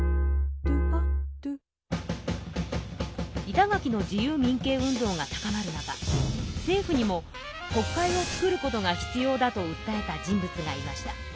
板垣の自由民権運動が高まる中政府にも国会を作ることが必要だと訴えた人物がいました。